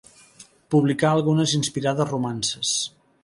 Publicà algunes inspirades romances.